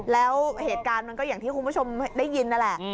แล้วเหตุการณ์มันก็อย่างที่คุณผู้ชมได้ยินนั่นแหละ